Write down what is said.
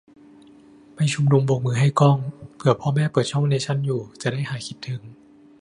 ไปชุมนุมโบกมือให้กล้อง เผื่อพ่อแม่เปิดช่องเนชั่นอยู่จะได้หายคิดถึง